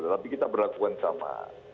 tapi kita berlakukan sama